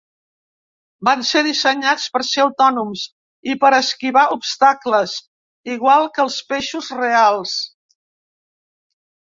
Van ser dissenyats per ser autònoms i per esquivar obstacles, igual que els peixos reals.